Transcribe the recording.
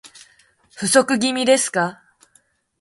不足気味ですか